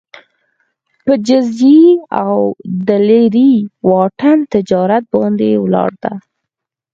په جزیې او د لېرې واټن تجارت باندې ولاړه وه